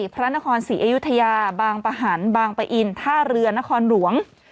พระนครศรีอยุธยาบางประหันบางปะอินท่าเรือนครหลวง